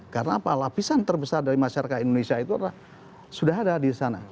karena lapisan terbesar dari masyarakat indonesia itu sudah ada di sana